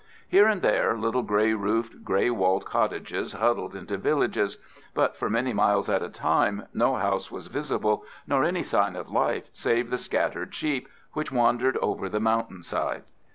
Here and there little grey roofed, grey walled cottages huddled into villages, but for many miles at a time no house was visible nor any sign of life save the scattered sheep which wandered over the mountain sides.